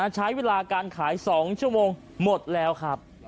ใช้เวลาการขาย๒ชั่วโมงหมดแล้วครับ